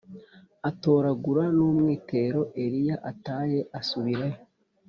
Atoragura n umwitero Eliya ataye asubirayo